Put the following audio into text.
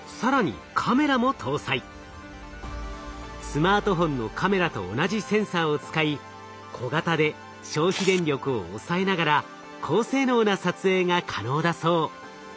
スマートフォンのカメラと同じセンサーを使い小型で消費電力を抑えながら高性能な撮影が可能だそう。